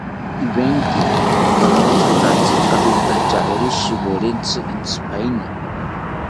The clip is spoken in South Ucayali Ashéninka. Ivenki okamethatzi awinantyawori shiwerontzi entzipaeni